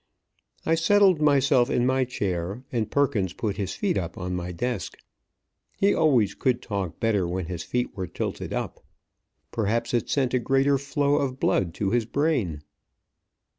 I settled myself in my chair, and Perkins put his feet up on my desk. He always could talk better when his feet were tilted up. Perhaps it sent a greater flow of blood to his brain.